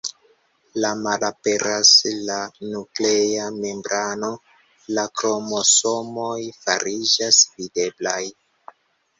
Malaperas la nuklea membrano, la kromosomoj fariĝas videblaj.